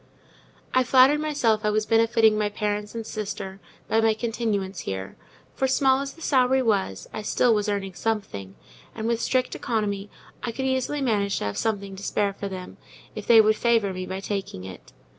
I flattered myself I was benefiting my parents and sister by my continuance here; for small as the salary was, I still was earning something, and with strict economy I could easily manage to have something to spare for them, if they would favour me by taking it.